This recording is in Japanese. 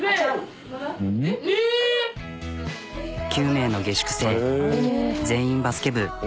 ９名の下宿生全員バスケ部。